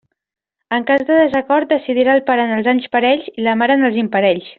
En cas de desacord, decidirà el pare en els anys parells i la mare en els imparells.